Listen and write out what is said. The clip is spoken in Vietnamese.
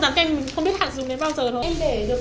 hàng mới hết mà em